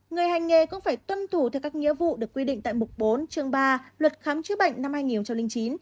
người hành nghề cũng phải tân thủ theo các nghĩa vụ được quy định tại bục bốn trường ba luật khám chữa bệnh năm hai hai nghìn chín